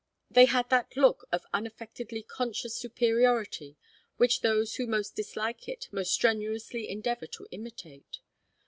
They had that look of unaffectedly conscious superiority which those who most dislike it most strenuously endeavour to imitate.